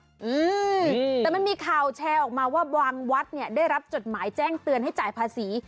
อืมแต่มันมีข่าวแชร์ออกมาว่าบางวัดเนี่ยได้รับจดหมายแจ้งเตือนให้จ่ายภาษี